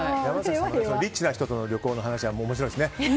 山崎さんのリッチな人との旅行の話は面白いですね。